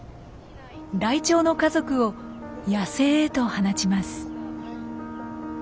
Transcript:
ライチョウの家族を野生へと放ちます。